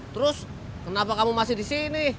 terus kenapa kamu masih disini